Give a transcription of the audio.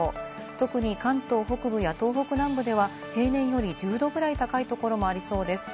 特に関東北部や東北南部では平年より１０度くらい高いところもありそうです。